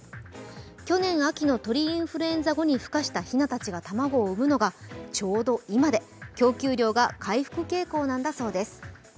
去年秋の鳥インフルエンザ後にふ化したヒナたちが卵を産むのがちょうど今で、供給量が回復傾向なんだそうです。